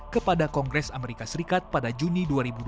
kepada kongres amerika serikat pada juni dua ribu dua puluh